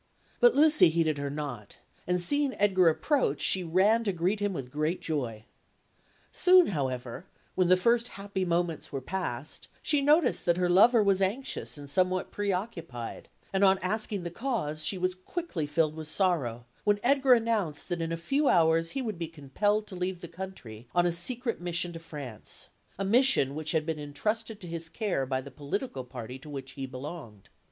But Lucy heeded her not; and seeing Edgar approach, she ran to greet him with great joy. Soon, however, when the first happy moments were passed, she noticed that her lover was anxious and somewhat preoccupied; and on asking the cause, she was quickly filled with sorrow when Edgar announced that in a few hours he would be compelled to leave the country on a secret mission to France, a mission which had been entrusted to his care by the political party to which he belonged.